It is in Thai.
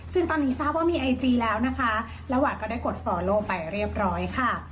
ซึ่งตอนนี้ทราบว่ามีไอจีแล้วนะคะและหวานก็ได้กดฟอร์โลไปเรียบร้อยค่ะ